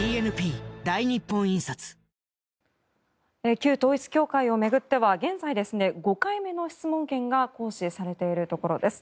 旧統一教会を巡っては現在、５回目の質問権が行使されているところです。